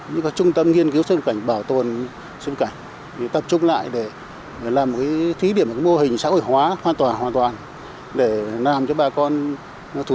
những trung tâm nghiên cứu sinh vật cảnh bảo tồn sinh vật cảnh